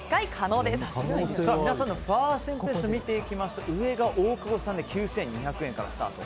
皆さんのファーストインプレッション見ていきますと上が大久保さんで９２００円からスタート。